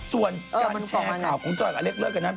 ส่วนการแชร์ข่าวของจอยอเล็กเลิกกันนั้น